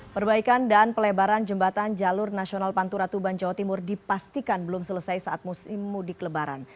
perbaikan dan pelebaran jembatan jalur nasional pantura tuban jawa timur dipastikan belum selesai saat musim mudik lebaran